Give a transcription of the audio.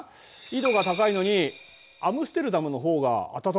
緯度が高いのにアムステルダムのほうが暖かいだろ？